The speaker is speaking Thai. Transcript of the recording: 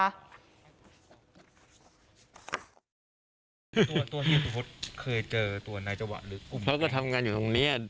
ตัวตัวที่สุพธิ์เคยเจอตัวนายเจ้าวะหรือเขาก็ทำการอยู่ตรงนี้อ่ะ